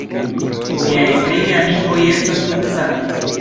Miaj tri geamikoj estas tute sanaj.